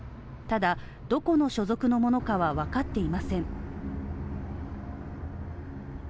ただ、どこの所属のものかはわかっていません。